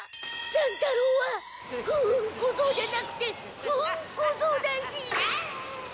乱太郎は風雲こぞうじゃなくて不運こぞうだし。